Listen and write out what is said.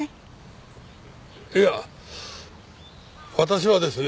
いや私はですね